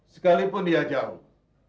sekalipun dia jauh